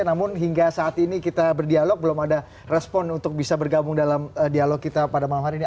namun hingga saat ini kita berdialog belum ada respon untuk bisa bergabung dalam dialog kita pada malam hari ini